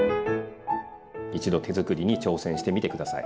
一度手づくりに挑戦してみて下さい。